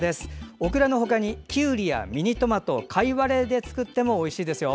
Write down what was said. オクラの他にきゅうりやミニトマトかいわれで作ってもおいしいですよ。